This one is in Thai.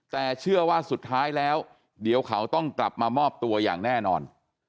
แต่เชื่อว่าสุดท้ายแล้วเดี๋ยวเขาต้องกลับมามอบตัวอย่างแน่นอน